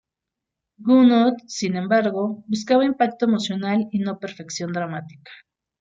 Gounod, sin embargo, buscaba impacto emocional y no perfección dramática.